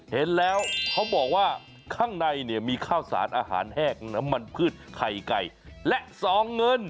เห็นแล้วเขาบอกว่าข้างในเนี่ยมีข้าวสารอาหารแห้งน้ำมันพืชไข่ไก่และซองเงิน